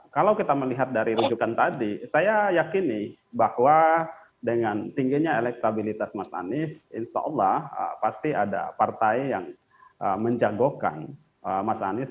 kalau kita melihat dari rujukan tadi saya yakini bahwa dengan tingginya elektabilitas mas anies insya allah pasti ada partai yang menjagokan mas anies